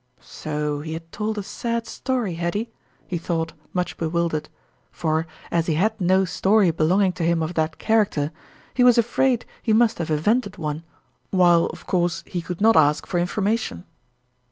So he had told a sad story, had he? he thought, much bewildered ; for, as he had no story belonging to him of that character, he was afraid he must have invented one, while, of course, he could not ask for information.